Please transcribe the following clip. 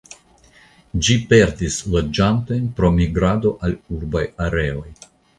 Ĝi perdis loĝantojn pro migrado al urbaj areoj.